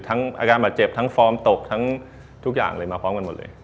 อาการบาดเจ็บทั้งฟอร์มตกทั้งทุกอย่างเลยมาพร้อมกันหมดเลย